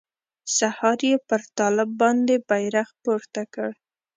سهار يې پر طالب باندې بيرغ پورته کړ.